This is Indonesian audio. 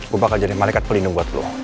gue bakal jadi malaikat pelindung buat lo